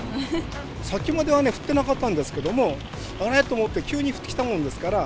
さっきまではね、降ってなかったんですけども、あれーと思って、急に降ってきたもんですから。